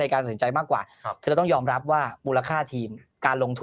การสนใจมากกว่าคือเราต้องยอมรับว่ามูลค่าทีมการลงทุน